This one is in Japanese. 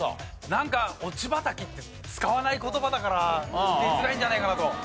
なんか落ち葉たきって使わない言葉だから出づらいんじゃないかなと。